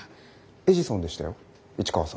エジソンでしたよ市川さん。